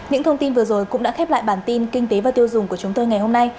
những thông tin vừa rồi cũng đã khép lại bản tin kinh tế và tiêu dùng của chúng tôi ngày hôm nay